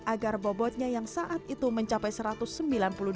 agar bobotnya yang saat itu mencapai satu ratus sembilan puluh dua kilogram bisa diturunkan